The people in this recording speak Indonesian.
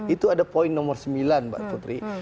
itu ada poin nomor sembilan mbak putri